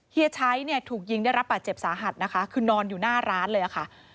เฮีชัยเนี่ยถูกยิงได้รับบาดเจ็บสาหัสนะคะคือนอนอยู่หน้าร้านเลยค่ะ